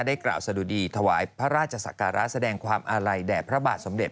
กล่าวสะดุดีถวายพระราชศักระแสดงความอาลัยแด่พระบาทสมเด็จ